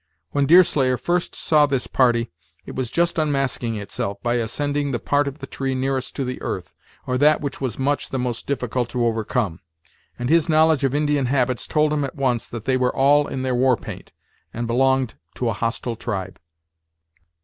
When Deerslayer first saw this party, it was just unmasking itself, by ascending the part of the tree nearest to the earth, or that which was much the most difficult to overcome; and his knowledge of Indian habits told him at once that they were all in their war paint, and belonged to a hostile tribe.